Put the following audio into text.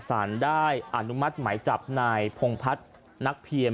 สารได้อนุมัติหมายจับนายพงพัฒน์นักเพียม